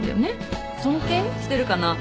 尊敬してるかな